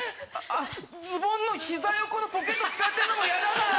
あズボンの膝横のポケット使ってんのも嫌だなぁ。